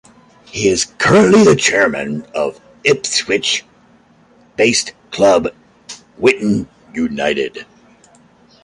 He is currently chairman of Ipswich-based club Whitton United.